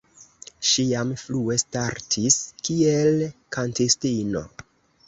Ŝi jam frue startis kiel kantistino.